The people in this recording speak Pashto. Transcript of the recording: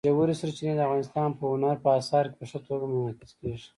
ژورې سرچینې د افغانستان په هنر په اثار کې په ښه توګه منعکس کېږي.